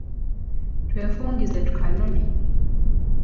Twefungize tukanone.